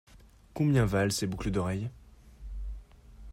Combien valent ces boucles d'oreille ?